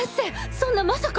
そんなまさか。